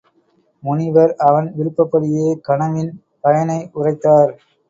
முனிவர் அவன் விருப்பப்படியே கனவின் பயனை உரைத்தார்.